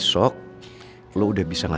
sampai jumpa lagi